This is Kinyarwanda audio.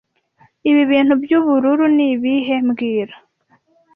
Ibi bintu byubururu ni ibihe mbwira